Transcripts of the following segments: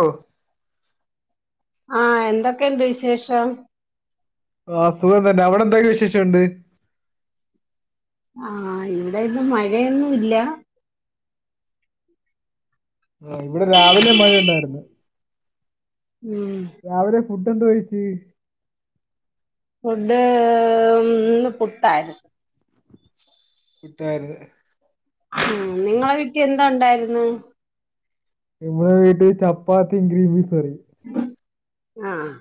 ഓഹ് ആഹ് എന്തൊക്കെണ്ട് വിശേഷം ആഹ് സുഖം തന്നെ അവടെ എന്തൊക്കെ വിശേഷംഉണ്ട് ആഹ് ഇവിടെ ഇന്ന് മഴയൊന്നും ഇല്ല ആ ഇവിടെ രാവിലെ മഴയുണ്ടായിരുന്നു ഉം രാവിലെ ഫുഡ് എന്ത് കഴിച്ച് ഫുഡ് ഇന്ന് പുട്ടായിരുന്നു പിട്ടായിര്ന്ന് ഉം നിങ്ങളെ വീട്ടി എന്താഉണ്ടായിര്ന്ന് ഇമ്മടെ വീട്ടി ചപ്പാത്തി ഗ്രീൻപീസ്കറി ആഹ്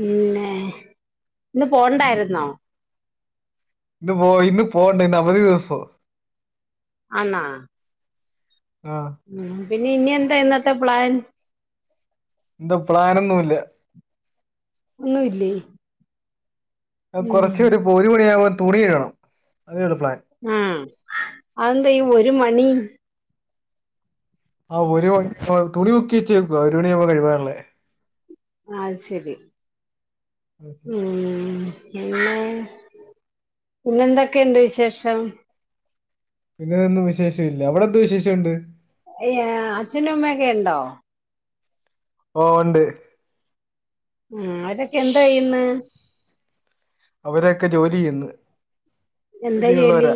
പിന്നെ ഇന്ന് പോണ്ടായിരുന്നോ ഇന്ന് പോ ഇന്ന് പോണ്ട ഇന്ന അവധിദിവസോ ആന്നാ ആഹ് ഉം പിന്നെ ഇനി എന്താ ഇന്നത്തെ പ്ലാൻ ന്ത്‌ പ്ലാനൊന്നുല്ല ഒന്നു ഇല്ലേ കൊറച്ചോരു ഒര് മണിയാവുമ്പോ തുണി കഴ്കണം അതെള്ളു പ്ലാൻ ആ അതെന്താ ഈ ഒരു മണി ആഹ് ഒര് മണി തുണി മുക്കി വെച്ചേക്കുവാ ഒരു മണിയാവുമ്പോ കഴികാള്ളേ അത് ശെരി ഉം പിന്നെ പിന്നെ എന്തൊക്കെണ്ട് വിശേഷം പിന്നെതൊന്നും വിശേഷഇല്ല അവിടെഎന്ത് വിശേഷഉണ്ട് ഏഹ് അച്ഛനും അമ്മയൊക്കെണ്ടോ ഓഹ് ഇണ്ട് ഉം അവരൊക്കെ എന്തായ്യ്ന്ന് അവരൊക്കെ ജോലിയ്യ്ന്ന് എന്താ ജോലി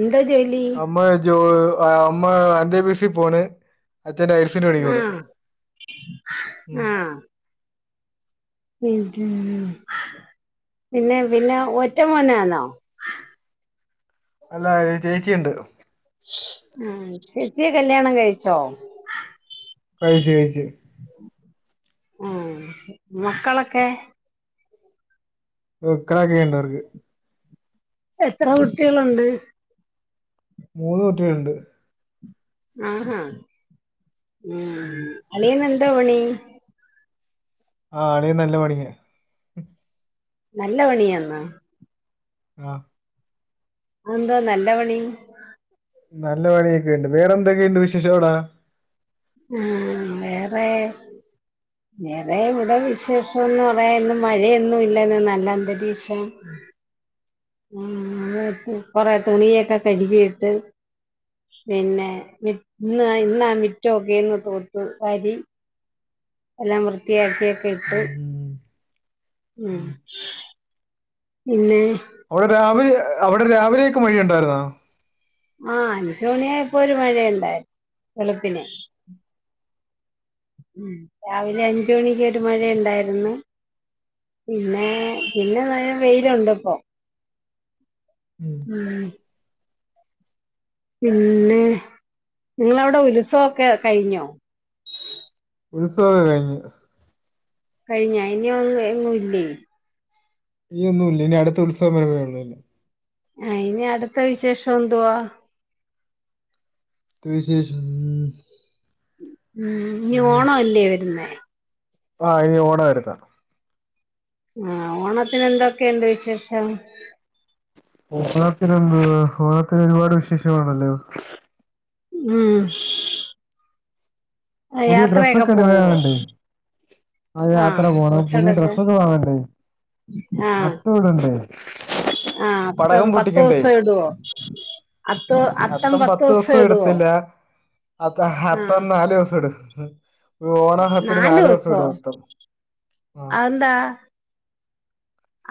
എന്താ ജോലി അമ്മ ജോ അമ്മ അണ്ടേപിസി പോണ് അച്ഛൻ ടൈ ൽസ്ന്റെ പണിക്കൊണ് ആഹ് ഉം ആഹ് പിന്നെ പിന്നെ ഒറ്റ മോനാന്നോ അല്ല ചേച്ചി ഇണ്ട് ഏഹ് ചേച്ചിയെ കല്യാണം കഴിച്ചോ കഴിച്ച് കഴിച്ച് ആഹ് മക്കളൊക്കെ മക്കളോക്കെ ഇണ്ടവർക്ക് എത്ര കുട്ട്യേള് ഉണ്ട് മൂന്ന് കുട്ട്യേള് ഇണ്ട് ആഹാ ഉം അളിയനെന്താ പണി ആഹ് അളിയൻ നല്ല പണിയാ നല്ല പണിയാന്നോ ആഹ് അതെന്താ നല്ല പണി നല്ല പണിയൊക്കെ ഇണ്ട് വേറെന്തൊക്കെയുണ്ട് വിശേഷം അവ്ടെ ഏഹ് വേറെ വേറെ ഇവിടെ വിശേഷോന്ന് പറയാൻ ഇന്ന് മഴയൊന്നും ഇല്ലെന്ന് നല്ല അന്തരീക്ഷം [unintelligible] കൊറെ തുണിയൊക്കെ കഴ്കിയിട്ട് പിന്നെ മി ഇന്ന് ഇന്നാ മിറ്റോക്കെന്ന് തൂത്ത് വാരി എല്ലാം വൃത്തിയാക്കിയൊക്കെ ഇട്ട് ഉം പിന്നെ അവിടെ രാവിലെ അവിടെ രാവിലെയൊക്കെ മഴ ഉണ്ടാര്ന്നോ ആഹ് അഞ്ചു മണിയായപ്പോ ഒരു മഴയുണ്ടായി വെളുപ്പിനെ ഉം രാവിലെ അഞ്ചു മണിക്ക് ഒരു മഴ ഇണ്ടായിര്ന്ന് പിന്നെ പിന്നെ നല്ല വെയില്ണ്ട് ഇപ്പം ഉം ഉം പിന്നെ നിങ്ങളവിടെ ഉത്സവൊക്കെ കഴിഞ്ഞോ ഉത്സവൊക്കെ കഴിഞ്ഞ് കഴിഞ്ഞോ ഇനി ഒന്നു എങ്ങുല്ലേ ഇനിയൊന്നും ഇല്ല ഇനി അട്ത്ത ഉത്സവം വര്മ്പഴേ ഒള്ളൂനി ആഹ് ഇനി അട്ത്ത വിശേഷം എന്തുവാ? വിശേഷം ഉം ഇനി ഓണം അല്ലേ വര്ന്നേ ആഹ് ഇനി ഓണം അടുത്ത ആഹ് ഓണത്തിന് എന്തൊക്കെയുണ്ട് വിശേഷം? ഓണാത്തിന് എന്തുവാ ഓണാത്തിന് ഒരുപാട് വിശേഷങ്ങളാണല്ലോ ഉം ആ പുതിയ യാത്രയൊക്കെ ഡ്രസ്സൊക്കെ ഇനി പോവോ വാങ്ങണ്ടേ ആഹ് ആ യാത്ര പോണം പുതിയ ഡ്രസ്സെടുക്കും ഡ്രസ്സൊക്കെ വാങ്ങണ്ടേ ആ അത്തം ഇടണ്ടേ ആ അത്തം പടക്കം പത്ത് പൊട്ടിക്കണ്ടേ ദിവസം ഇടുവോ അത്തം അത്തം പത്ത് പത്തു ദിവസം ഇടുവോ ഇടത്തില്ല അത്ത ആ അത്തം നാലു ദിവസം ഇടൂ ആഹ [inaudible] ഒരു ഓണ ഹത്തിന് നാല് ദിവസം ഇടും അത്തം അതെന്താ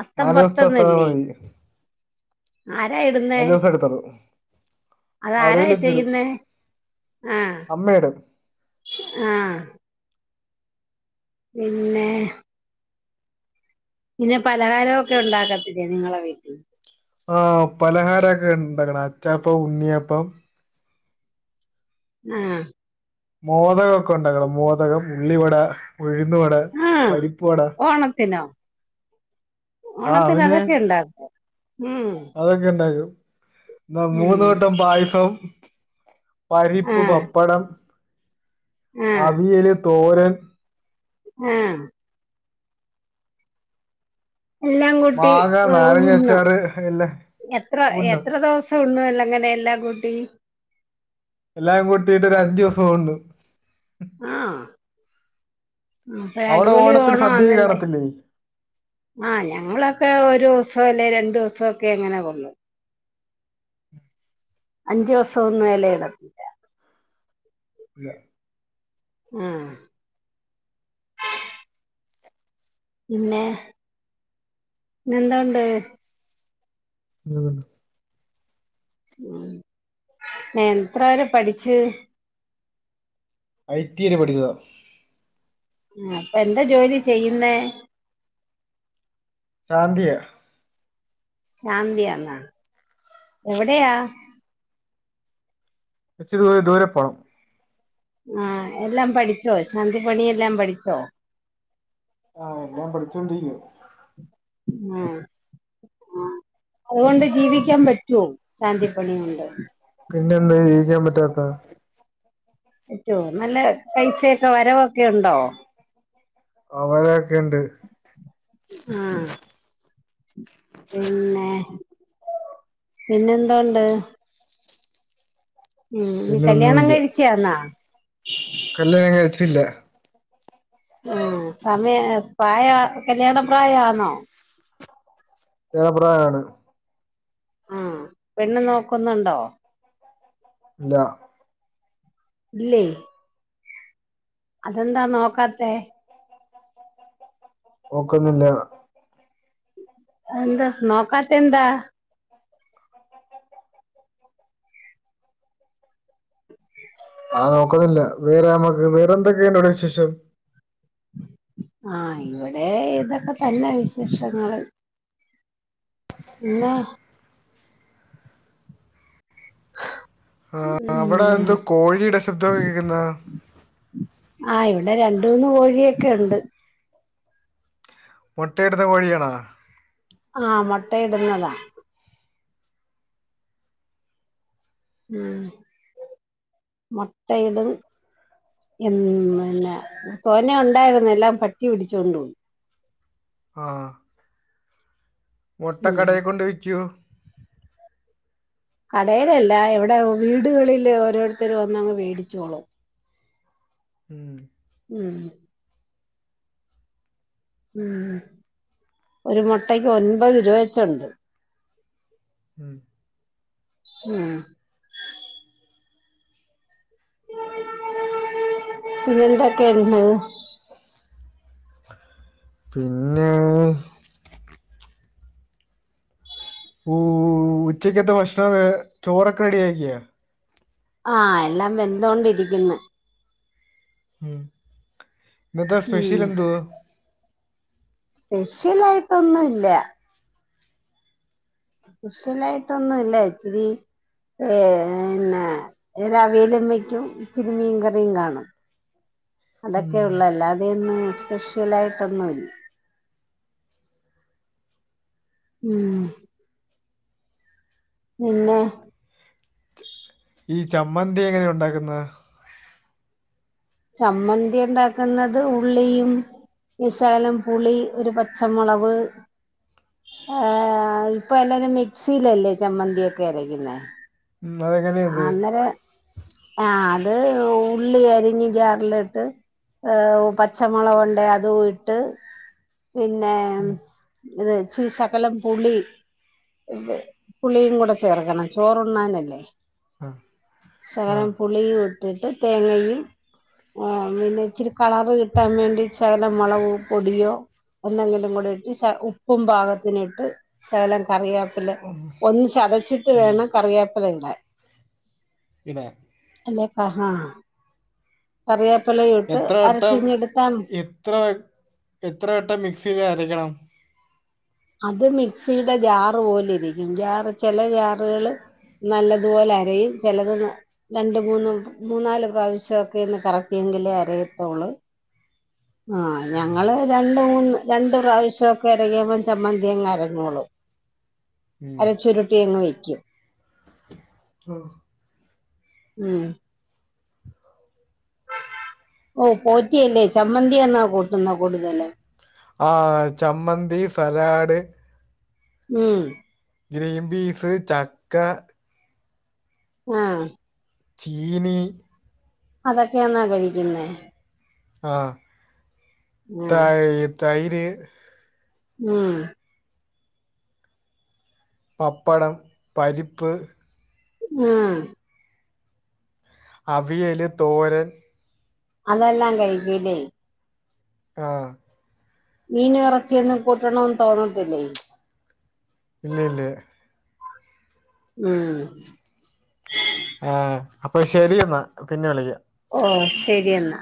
അത്തം നാല് ദിവസത്തെ അത്തം പത്തെന്നല്ലേ ആരാ ഇടുന്നേ നാല് ദിവസെഇടത്തോളൂ അത് ആരാ ചെയ്യുന്നേ ആഹ് അമ്മയിടും ആഹ് പിന്നേ, പിന്നെ പലഹാരൊക്കേ ഉണ്ടാക്കത്തില്ല നിങ്ങളെ വീട്ടിൽ ആഹ് പലഹാരൊക്കെ ഇണ്ടാക്കണം അച്ചാപ്പം ഉണ്ണിയപ്പം ആഹ് മോദകമൊക്കെ ഉണ്ടാക്കണം മോതകം, ഉള്ളിവട, ഉഴുന്നുവട ആ പരിപ്പുവട. ഓണത്തിനോ ആഹ് ഓണത്തിന് പിന്നെ അതൊക്കെ ഉണ്ടാക്കോ ഉം അതൊക്കെ ഉണ്ടാക്കും എന്നാ ഉം മൂന്നുകൂട്ടം പായസവും ആ പരിപ്പ്, പപ്പടം, ആ അവിയല്, തോരൻ ആഹ് എല്ലാം കൂട്ടി മാങ്ങ നാരങ്ങ ഉണ്ണും അച്ചാറ് എല്ലാം എത്ര ഉണ്ണും എത്ര ദിവസം എപ്പം ഉണ്ണും എല്ലാം അങ്ങനെ എല്ലാം കൂട്ടി, എല്ലാം കൂട്ടിയിട്ട് ഒരു അഞ്ച് ദിവസം ഉണ്ണും, ആഹ് അപ്പഴ് അവിടെ അടിപൊളി ഓണത്തിന് ഓണം സദ്യ ആന്നല്ലേ കാണത്തില്ലേ ആഹ് ഞങ്ങളൊക്കെ ഒരു ദിവസം അല്ലെ രണ്ടു ദിവസോക്കെ അങ്ങനെ കൊള്ളു അഞ്ചു ദിവസം ഒന്നും എലയിടത്തില്ല ഇല്ല ആഹ് പിന്നേ, പിന്നേന്തോഉണ്ട് ഉം [inaudible] എത്ര വരെ പഠിച്ച്? ഐ ടി വരെ പഠിച്ചതാ ആഹ് അപ്പൊ എന്താ ജോലി ചെയ്യുന്നേ? ശാന്തിയ. ശാന്തിയാന്നാ, എവിടെയാ? ഇച്ചിരി ദൂര ദൂരെ പോണം ആഹ് എല്ലാം പഠിച്ചോ ശാന്തി പണിയെല്ലാം പഠിച്ചോ? ആഹ് എല്ലാം പഠിച്ചോണ്ടിരിക്കുവാ ആഹ് ആഹ്, അതുകൊണ്ട് ജീവിക്കാൻ പറ്റോ ശാന്തിപ്പണി കൊണ്ട് പിന്നെ എന്താ ജീവിക്കാൻ പറ്റാത്ത പറ്റോ നല്ല പൈസയൊക്കെ വരവൊക്കെ ഉണ്ടോ ആഹ് വരവൊക്കെണ്ട് ആഹ് പിന്നെ പിന്നെന്തോണ്ട് ഉം നീ പിന്നെ കല്യാണം ഒന്നുമില്ല കഴിച്ചയാന്നാ കല്യാണം കഴിച്ചില്ല ഉം സമയ പ്രായം കല്യാണ പ്രായാന്നോ കല്ല്യാണ പ്രായാണ്. ഉം പെണ്ണ് നോക്കുന്നുണ്ടോ? ഇല്ല ഇല്ലേ അതെന്താ നോക്കാത്തേ നോക്കുന്നില്ല. എന്താ നോക്കാത്തെ എന്താ ആ നോക്കുന്നില്ല വേറെ നമ്മക്ക് വേറെന്തൊക്കെയോവിടെ വിശേഷം? ആഹ് ഇവിടെ ഇതൊക്കെ തന്നെ വിശേഷങ്ങള്. പിന്ന ആഹ് അവിടെ ഉം എന്ത് കോഴിയുടെ ശബ്ദൊക്കെ കേക്കുന്നെ ആഹ് ഇവിടെ രണ്ട്, മൂന്ന് കോഴിയൊക്കെ ഉണ്ട്. മൊട്ടയിടുന്ന കോഴിയാണോ? ആഹ് മൊട്ടയിടുന്നതാ. ഉം മൊട്ടയിടും എ പിന്നെ തോന ഉണ്ടായ്രുന്ന് എല്ലാം പട്ടി പിടിച്ചോണ്ട് പോയി. ആഹ് മൊട്ട ഉം കടേ കൊണ്ട് വിക്കോ കടേലല്ല ഇവടെ വീടുകളില് ഓരോരുത്തരും വന്നങ്ങ് വേടിച്ചോളും. ഉം ഉം ഉം ഒരു മൊട്ടക്ക് ഒൻപത് രൂപ വെച്ചുണ്ട്. ഉം ഉം പിന്നെന്തൊക്കെയുണ്ട്? പിന്നെ ഓഹ് ഉച്ചക്കത്തെ ഭക്ഷണം ചോറൊക്കെ റെഡിയാക്ക്യോ? ആഹ് എല്ലാം വെന്തോണ്ടിരിക്ക്ന്ന് ഉം ഇന്നത്തെ ഉം സ്പെഷ്യൽ എന്ത്‌? സ്പെഷ്യലായിട്ടൊന്നും ഇല്ല. സ്‌പെഷലായിട്ടൊന്നും ഇല്ല ഇച്ച്രി ഏ ന്നെ ഒരു അവിയലും വെയ്ക്കും ഇച്ചിരി മീൻ കറിയും കാണും. അതൊക്കെ ഉം. ഉള്ളു. അല്ലാതെയൊന്നും സ്പെഷ്യല് ആയിട്ടൊന്നുല്ല. ഉം പിന്നെ ഈ ചമ്മന്തി എങ്ങനെ ഉണ്ടാക്കുന്നെ ചമ്മന്തി ഉണ്ടാക്കുന്നത് ഉള്ളിയും ഇ ശാലം പുളി, ഒരു പച്ചമുളക്് എ ഇപ്പൊ എല്ലാരും മിക്സിയിലല്ലേ ചമ്മന്തിയൊക്കെ അരയ്ക്കുന്നെ [unintelligible] അന്നേരം ആഹ് അത് ഉള്ളി അരിഞ്ഞ് ജാർല്ട്ട് പച്ചമൊളകുണ്ടെ അതും ഇട്ട് പിന്നെ ഉം. ഇച്ച്രി ശകലം പുളി പുളിയും കൂടെ ചേർക്കണം ചോറുണ്ണാനല്ലേ. ആ ആ സകലം പുളിയും ഇട്ടിട്ട് തേങ്ങയും ആ പിന്നെ ഇച്ച്രി കളറ് കിട്ടാൻ വേണ്ടി ചകലം മൊളക് പൊടിയോ എന്തെങ്കിലും കൂടി ഇട്ട് ശ ഉപ്പും പാകത്തിന് ഇട്ട് ശകലം കറിയാ ഒന്ന് ചതച്ചിട്ട് ഉം. വേണം കറിയേപ്പില ഇടാൻ ഇടേ അല്ലേക്കഹ കറിയാപ്പിലെ എത്ര വട്ടം എത്ര എത്ര വട്ടം മിക്സീല് അരയ്ക്കണം അത് മിക്സിയുടെ ജാറ് പോലിരിക്കും ജാറ് ചെല ജാറുകള് നല്ലതുപോലെ അരയും ചിലത് രണ്ട് മൂന്ന് മൂന്നാല് പ്രാവശ്യോക്കെ ഒന്ന് കറ‌ക്കിയെങ്കിലേ അരയത്തൊള്ള് ആഹ് ഞങ്ങള് രണ്ട് മൂന്ന് രണ്ട് പ്രാവശ്യോക്കെ അരക്കുമ്പം ചമ്മന്തി അങ്ങ് അരഞ്ഞോളും ഉം അതെ ചുരുട്ടി അങ്ങ് വെയ്ക്കും ത്രള്ളു ഉം ഓഹ് പോറ്റിയല്ലേ ചമ്മന്തിയാന്നാ കൂട്ടുന്ന കൂടുതല് ആഹ് ചമ്മന്തി സലാഡ് ഇം ഗ്രീൻപീസ് ചക്ക ങാഹ് ചീനി അതൊക്കെയാന്നാ കഴിക്കുന്നേ ആഹ് ആ തായ് തൈര് ഉം പപ്പടം പരിപ്പ് ങാഹ് അവിയല് തോരൻ അതെല്ലാം കഴിക്കും ഇല്ലേ ആഹ് മീനും എറച്ചിയൊന്നും കൂട്ടണോന്ന് തോന്നത്തില്ലേ? ഇല്ല ഇല്ല്യാ ഉം ആഹ് അപ്പൊ ശരി എന്നാ പിന്നെ വിളിക്കാം ഓഹ് ശരിയെന്നാ